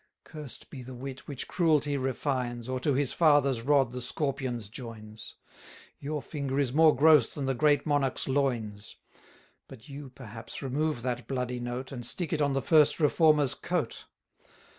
Cursed be the wit, which cruelty refines, Or to his father's rod the scorpion's joins! 690 Your finger is more gross than the great monarch's loins. But you, perhaps, remove that bloody note, And stick it on the first reformer's coat.